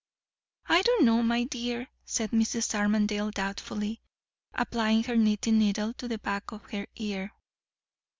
"I don't know, my dear," said Mrs. Armadale doubtfully, applying her knitting needle to the back of her ear.